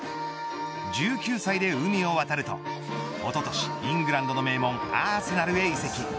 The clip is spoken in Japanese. １９歳で海を渡るとおととしイングランドの名門アーセナルへ移籍。